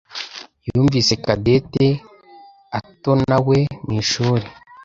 yumvise Cadette atonawe mu ishuri.